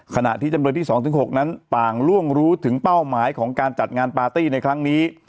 ขณะที่จำเลยที่๒๖นั้นต่างล่วงรู้ถึงเป้าหมายของการจัดงานปาร์ตี้ในครั้งนี้